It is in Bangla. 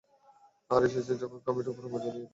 আর এসেছেন যখন কামাঠিপুরার মজা নিয়ে নিন।